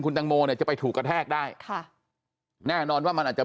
คุณตังโมเนี่ยจะไปถูกกระแทกได้ค่ะแน่นอนว่ามันอาจจะ